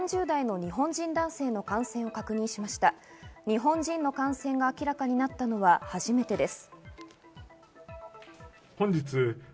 日本人の感染が明らかになったのは初めてです。